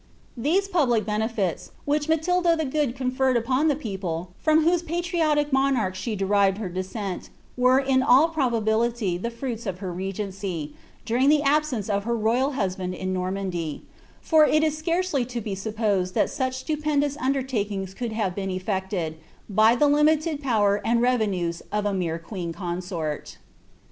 These public benefits, which Mi^ tilda tlie Good conferred upon tlie people from whose patriotic nii> narchs she derived her descent, were in all probability ilie frnits of her regency, during the absence of her royal husband in Nonnaiuly , for it is scarcely to be supposed that snch stupendous underlakiogl could have been eflected, by the limited power and revenues of a mtre queenHMnsort.